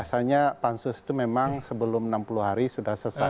biasanya pansus itu memang sebelum enam puluh hari sudah selesai